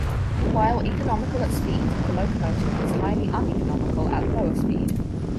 While economical at speed, the locomotive was highly uneconomical at lower speed.